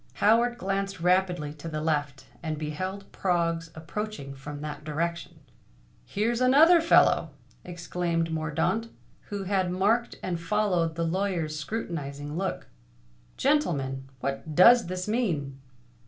Howard glanced rapidly to the left, and beheld Proggs approaching from that direction. "Here's another fellow!" exclaimed Mordaunt, who had marked and followed the lawyer's scrutinizing look. "Gentlemen, what does this mean?"